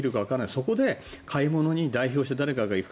そこで買い物に代表して誰かが行く。